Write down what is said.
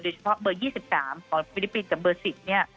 เฉพาะเบอร์๒๓ของฟิลิปปินส์กับเบอร์๑๐เนี่ย